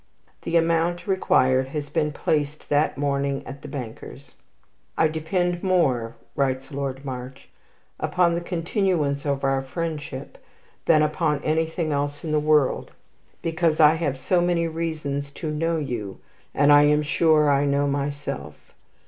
The amount required has been placed that morning at the banker's. "I depend more," writes Lord March, "upon the continuance of our friendship than upon anything else in the world, because I have so many reasons to know you, and I am sure I know myself.